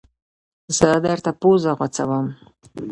زه درنه پوزه غوڅوم